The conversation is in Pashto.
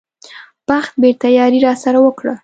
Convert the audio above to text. بخت بېرته یاري راسره وکړه.